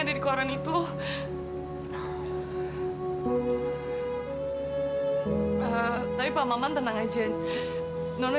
neng nona tenang aja ya